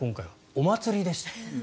お祭りでした。